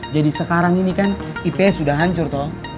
jadi sekarang ini kan ips sudah hancur tuh